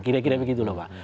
kira kira begitu loh pak